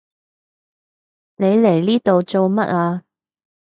你嚟呢度做乜啊？